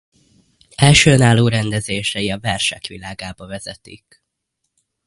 Első önálló rendezései a versek világába vezetik.